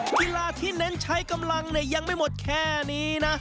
กีฬาที่เน้นใช้กำลังเนี่ยยังไม่หมดแค่นี้นะ